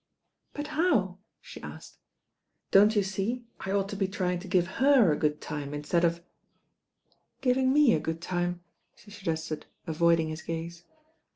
"But how?" she asked. "Don't you see I ought to be trying tc pve her a good time instead of " "Giving me a good time," she suggested avoiding his gaze.